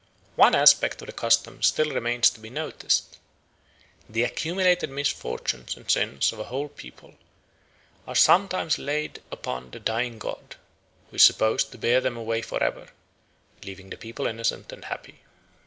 One aspect of the custom still remains to be noticed. The accumulated misfortunes and sins of the whole people are sometimes laid upon the dying god, who is supposed to bear them away for ever, leaving the people innocent and happy.